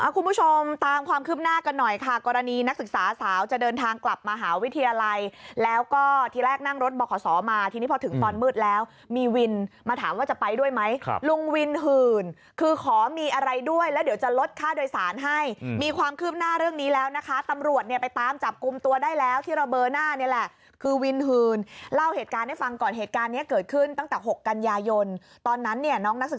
คุณผู้ชมตามความคืบหน้ากันหน่อยค่ะกรณีนักศึกษาสาวจะเดินทางกลับมหาวิทยาลัยแล้วก็ที่แรกนั่งรถบอกขอสอมาทีนี้พอถึงตอนมืดแล้วมีวินมาถามว่าจะไปด้วยไหมครับลุงวินหื่นคือขอมีอะไรด้วยแล้วเดี๋ยวจะลดค่าโดยสารให้มีความคืบหน้าเรื่องนี้แล้วนะคะตำรวจเนี่ยไปตามจับกลุ่มตัวได้แล้วที่ระเบอร์หน้